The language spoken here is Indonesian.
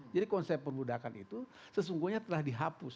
jadi konsep permudakan itu sesungguhnya telah dihapus